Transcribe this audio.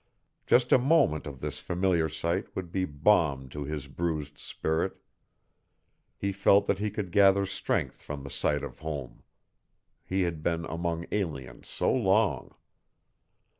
Just a moment of this familiar sight would be balm to his bruised spirit. He felt that he could gather strength from the sight of home. He had been among aliens so long!